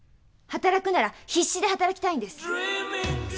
働くなら必死で働きたいんです！